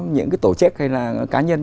những cái tổ chức hay là cá nhân